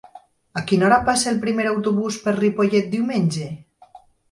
A quina hora passa el primer autobús per Ripollet diumenge?